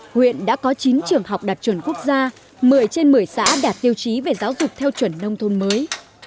huyện đã có chín trường học đạt chuẩn quốc gia một mươi trên một mươi xã đạt tiêu chí về giáo dục theo chuẩn nông thôn mới